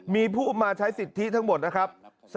มีผู้มาใช้สิทธิทั้งหมดนะครับ